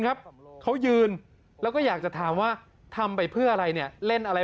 ครับเขายืนแล้วก็อยากจะถามว่าทำไปเพื่ออะไรเนี่ยเล่นอะไร